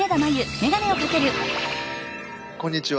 こんにちは！